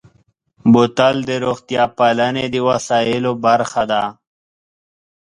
بوتل د روغتیا پالنې د وسایلو برخه ده.